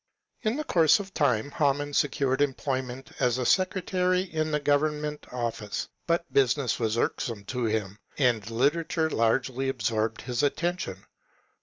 In the course of time Hamann secured employment as a secretary in a government office; but business was irksome to him, and literature largely absorbed his attention.